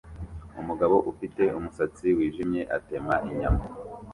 Umugabo ufite umusatsi wijimye atema inyama